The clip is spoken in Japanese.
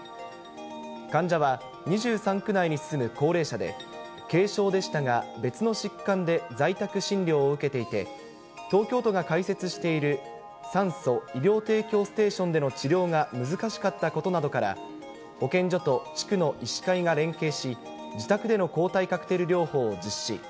患者は２３区内に住む高齢者で、軽症でしたが、別の疾患で在宅診療を受けていて、東京都が開設している酸素・医療提供ステーションでの治療が難しかったことなどから、保健所と地区の医師会が連携し、自宅での抗体カクテル療法を実施。